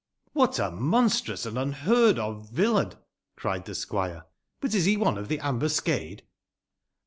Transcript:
"What a monstrous and imheard of viUain!" cried the squire. " But is he one of the ambuscade